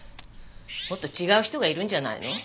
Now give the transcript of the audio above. もっと違う人がいるんじゃないの？